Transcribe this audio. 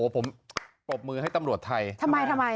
ผมปรบมือให้ตำรวจไทยทำไมทำไม